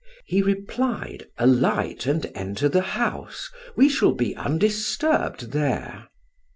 He replied: "Alight and enter the house. We shall be undisturbed there."